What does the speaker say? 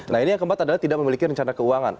nah ini yang keempat adalah tidak memiliki rencana keuangan